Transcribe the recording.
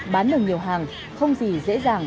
bán được nhiều hàng không gì dễ dàng